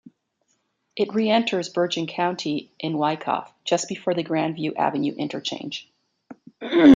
It re-enters Bergen County in Wyckoff, just before the Grandview Avenue interchange.